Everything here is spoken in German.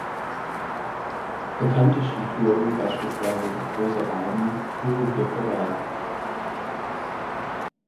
Bekannte Skitouren, beispielsweise die "Große Reib’n" führen hier vorbei.